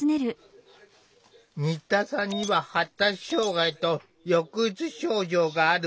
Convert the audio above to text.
新田さんには発達障害と抑うつ症状がある。